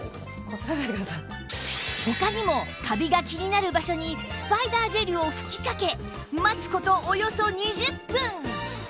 他にもカビが気になる場所にスパイダージェルを吹きかけ待つ事およそ２０分